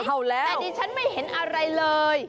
แต่ดิฉันไม่เห็นอะไรเลย